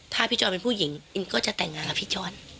ถ้าพี่จรเป็นผู้หญิงอินก็จะแต่งงานกับพี่จ้อน